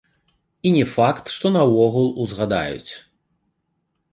І не факт, што наогул узгадаюць.